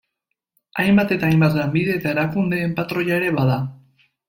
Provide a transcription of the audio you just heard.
Hainbat eta hainbat lanbide eta erakundeen patroia ere bada.